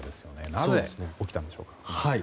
なぜ起きたんでしょうか？